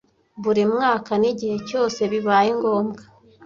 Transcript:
Buri mwaka n igihe cyose bibaye ngombwa